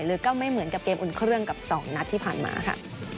ก็ไม่เหมือนกับเกมอุ่นเครื่องกับ๒นัดที่ผ่านมาค่ะ